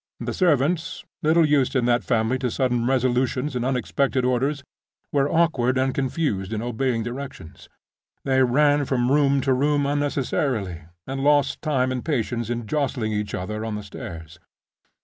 The servants, little used in that family to sudden resolutions and unexpected orders, were awkward and confused in obeying directions. They ran from room to room unnecessarily, and lost time and patience in jostling each other on the stairs.